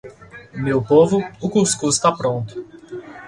meu povo, o cuscuz tá pronto!